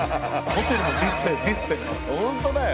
ホントだよ。